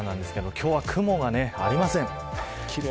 今日は雲がありません。